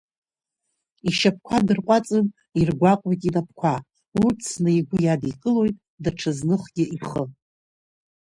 Ишьапқәа дырҟәаҵын, иргәаҟуеит инапқәа урҭ зны игәы иадикылоит, даҽазныхгьы ихы.